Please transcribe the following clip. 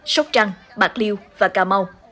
sóc trăng bạc liêu và cà mau